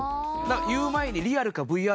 言う前に。